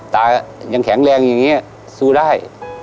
ตายังแข็งแรงอย่างนี้สู้ได้